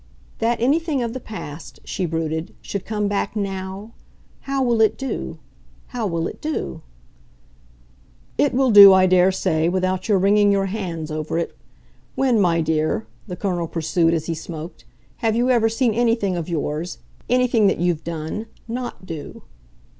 "That anything of the past," she brooded, "should come back NOW? How will it do, how will it do?" "It will do, I daresay, without your wringing your hands over it. When, my dear," the Colonel pursued as he smoked, "have you ever seen anything of yours anything that you've done NOT do?"